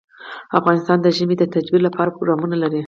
افغانستان د ژمی د ترویج لپاره پروګرامونه لري.